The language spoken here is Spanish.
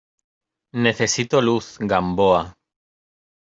necesito luz, Gamboa.